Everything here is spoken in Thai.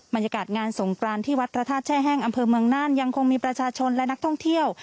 บรรยากาศงานสงกรานที่วัดพระธาตุแช่แห้งอำเภอเมืองน่านยังคงมีประชาชนและนักท่องเที่ยว